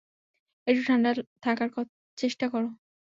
একটু ঠান্ডা থাকার চেষ্টা কর।